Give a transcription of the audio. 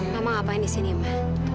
mama ngapain disini ma